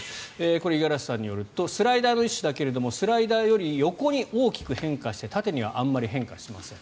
五十嵐さんによるとスライダー一種だけれどもスライダーより横に大きく変化して縦にはあまり変化しません。